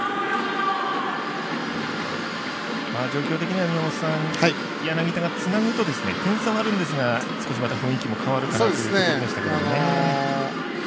状況的には宮本さん、柳田がつなぐと点差はあるんですがまた少し雰囲気も変わるかなというところでしたけど。